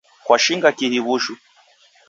Kwashinga kihi w'ushu?